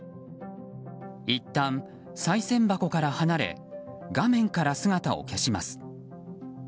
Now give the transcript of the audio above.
いったん、さい銭箱から離れ画面から姿を消します。